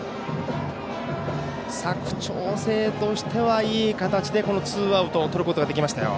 佐久長聖としてはいい形でツーアウトをとることができましたよ。